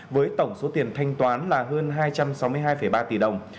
với tổng số tiền thanh toán là hơn hai trăm sáu mươi hai ba tỷ đồng